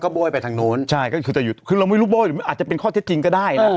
โบ้ยไปทางนู้นใช่ก็คือจะหยุดคือเราไม่รู้โบ้ยหรืออาจจะเป็นข้อเท็จจริงก็ได้นะ